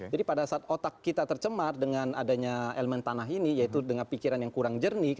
jadi pada saat otak kita tercemar dengan adanya elemen tanah ini yaitu dengan pikiran yang kurang jernih